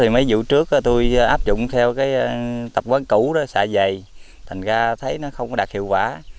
mấy vụ trước tôi áp dụng theo tập quán cũ đó xạ dày thành ra thấy nó không có đạt hiệu quả